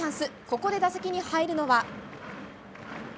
ここで打席に入るのは。